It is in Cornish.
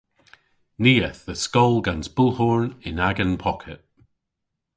Ni eth dhe skol gans bulhorn yn agan pocket.